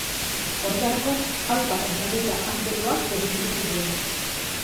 Horretarako alfa eta beta angeluak definitu zituen.